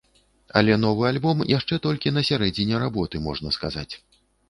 Але новы альбом яшчэ толькі на сярэдзіне работы, можна сказаць.